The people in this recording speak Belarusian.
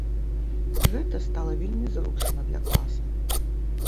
Гэта стала вельмі зручна для класа.